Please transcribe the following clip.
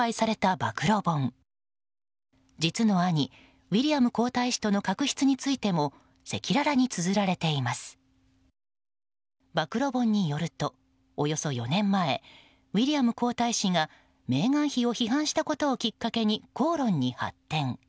暴露本によるとおよそ４年前ウィリアム皇太子がメーガン妃を批判したことをきっかけに口論に発展。